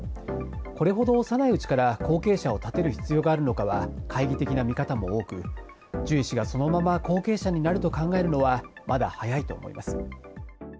これほど幼いうちから後継者を立てる必要があるのかは懐疑的な見方も多く、ジュエ氏がそのまま後継者になると考えるのは、まだ早いと思いま